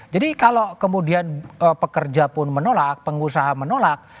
jadi kalau kemudian pekerja pun menolak pengusaha menolak